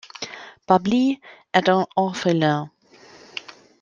Babli est un orphelin.